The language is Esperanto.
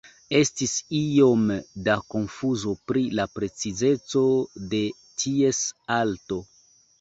Estis iome da konfuzo pri la precizeco de ties alto.